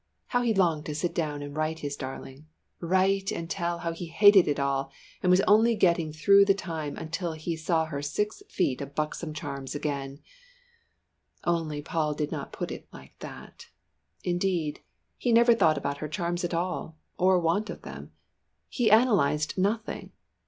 How he longed to sit down and write to his darling. Write and tell how he hated it all, and was only getting through the time until he saw her six feet of buxom charms again only Paul did not put it like that indeed, he never thought about her charms at all or want of them. He analysed nothing.